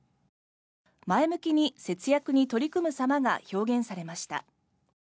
前向きに節約に取り組むさまが表現されました。